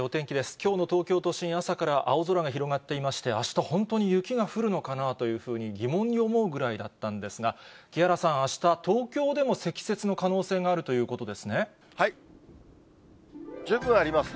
きょうの東京都心、朝から青空が広がっていまして、あした本当に雪が降るのかなというふうに、疑問に思うぐらいだったんですが、木原さん、あした、東京でも積雪の可能性があるということですね。